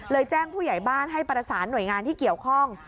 แจ้งผู้ใหญ่บ้านให้ประสานหน่วยงานที่เกี่ยวข้อง